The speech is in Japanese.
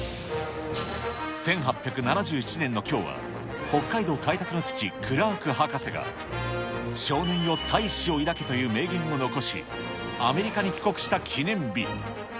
１８７７年のきょうは、北海道開拓の父、クラーク博士が、少年よ、大志を抱けという名言を残し、アメリカに帰国した記念日。